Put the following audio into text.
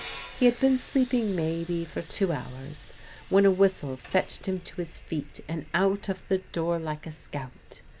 He had been sleeping maybe for two hours, when a whistle fetched him to his feet and out of the door like a scout.